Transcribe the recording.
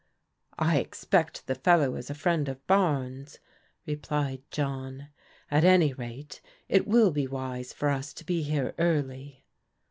I expect the fellow is a friend of Barnes/' replied John. " At any rate it will be wise for us to be here early."